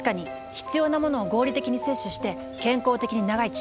必要なものを合理的に摂取して健康的に長生き。